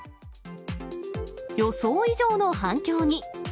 予想以上の反響に。